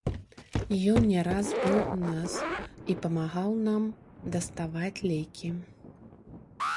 Ён не раз быў у нас і памагаў нам даставаць лекі.